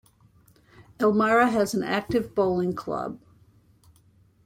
Elmira has an active lawn bowling club.